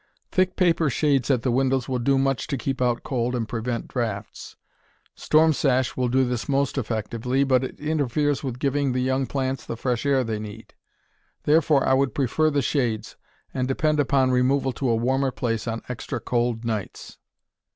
Thick paper shades at the windows will do much to keep out cold and prevent draughts. Storm sash will do this most effectively, but it interferes with giving the young plants the fresh air they need. Therefore I would prefer the shades, and depend upon removal to a warmer place on extra cold nights.